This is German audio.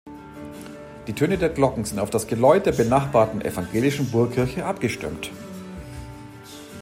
Die Töne der Glocken sind auf das Geläut der benachbarten evangelischen Burgkirche abgestimmt.